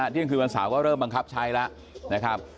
เที่ยงคืนวันเสาร์ก็เริ่มบังคับใช้แล้วนะครับ